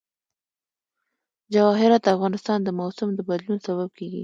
جواهرات د افغانستان د موسم د بدلون سبب کېږي.